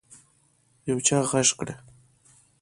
يو چا غږ کړ.